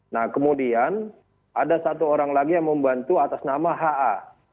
nah kemudian ada satu orang lagi yang membantu atas nama ha